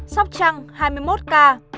sóc trăng hai mươi một ca